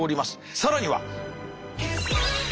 更には。